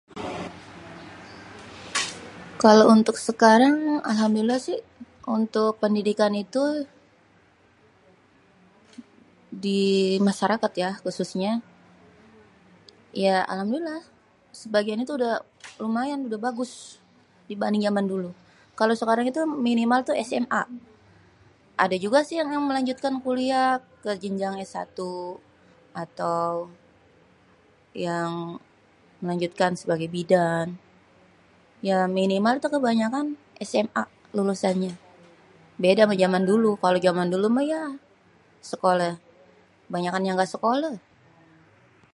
Kalo untuk sekarang alhamdulillah si untuk pendidikan itu di masarakat ya khususnya, ya alhamdulillah, sebagiannya udah lumayan, udêh bagus dibanding jaman dulu. Kalau sekarang minimal tu SMA. Adé juga si yang melanjutkan kuliah ke jenjang S1, atau yang melanjutkan sebagai bidan, ya minimal te kebanyakan SMA lulusannya, beda ma kalo jaman dulu, kalau jaman dulu mah ya, sekoleh, banyakan yang ga sekoléh